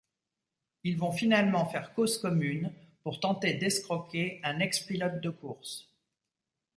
Ils vont finalement faire cause commune pour tenter d'escroquer un ex-pilote de course.